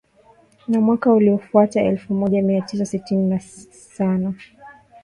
Na mwaka uliofuata elfu moja mia tisa sitini na sana